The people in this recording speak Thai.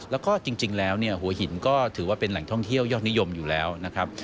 แล้วก็จริงแล้วเนี่ยหัวหินก็ถือว่าเป็นแหล่งท่องเที่ยวยอดนิยมอยู่แล้วนะครับ